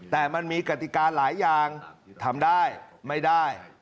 แต่มันมีกติกาหลายอย่างทำได้ไม่ได้